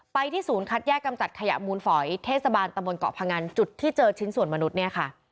ที่ศูนย์คัดแยกกำจัดขยะมูลฝอยเทศบาลตะบนเกาะพงันจุดที่เจอชิ้นส่วนมนุษย์เนี่ยค่ะ